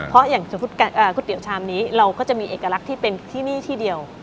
เพราะอย่างก๋วยเตี๋ยวชามนี้เราก็จะมีเอกลักษณ์ที่เป็นที่นี่ที่เดียว